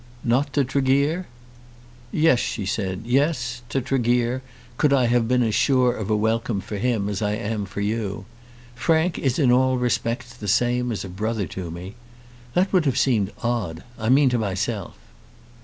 "Not to Tregear?" "Yes," she said; "yes, to Tregear, could I have been as sure of a welcome for him as I am for you. Frank is in all respects the same as a brother to me. That would not have seemed odd; I mean to myself."